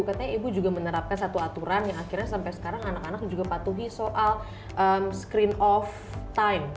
katanya ibu juga menerapkan satu aturan yang akhirnya sampai sekarang anak anak juga patuhi soal screen of time